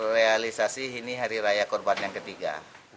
realisasi ini hari raya korban yang ketiga